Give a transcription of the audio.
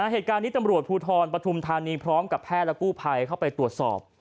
เหตุการณ์นี้ตำรวจภูทรปฐุมธานีพร้อมกับแพทย์และกู้ภัยเข้าไปตรวจสอบ